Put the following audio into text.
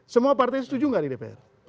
semua partai setuju nggak di dpr